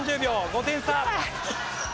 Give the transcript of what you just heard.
５点差！